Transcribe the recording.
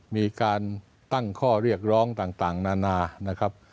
มีการตั้งข้อเรียกร้องต่างนานานะครับ